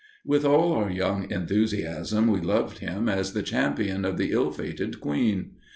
With all our young enthusiasm we loved him as the champion of the ill fated queen.